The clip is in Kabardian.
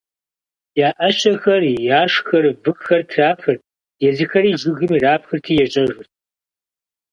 Я ӏэщэхэр, яшхэр, выхэр трахырт, езыхэри жыгым ирапхырти ежьэжырт.